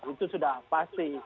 itu sudah pasti